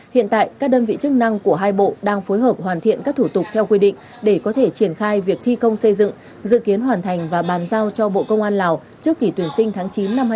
hiện tại các đơn vị chức năng của hai bộ đang phối hợp hoàn thiện các thủ tục theo quy định để có thể triển khai việc thi công xây dựng dự kiến hoàn thành và bàn giao cho bộ công an lào trước kỳ tuyển sinh tháng chín năm hai nghìn hai mươi